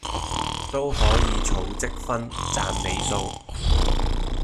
都可以儲積分賺里數